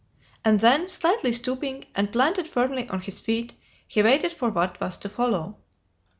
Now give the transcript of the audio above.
And then, slightly stooping, and planted firmly on his feet, he waited for what was to follow.